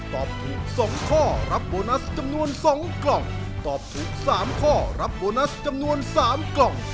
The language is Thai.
ตอบถูก๓ข้อรับโบนัสจำนวน๓กล่อง